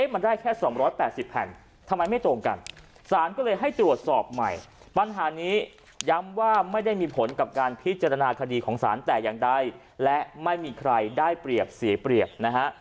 มันได้แค่๒๘๐แผ่นทำไมไม่ตรงกันสารก็เลยให้ตรวจสอบใหม่ปัญหานี้ย้ำว่าไม่ได้มีผลกับการพิจารณาคดีของสารแต่อย่างใดและไม่มีใครได้เปรียบเสียเปรียบนะฮะ